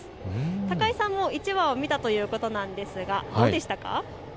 高井さんも１話を見たということなんですが、どうでしたか。